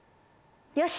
よし！